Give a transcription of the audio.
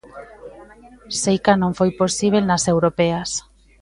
Seica non foi posíbel nas europeas.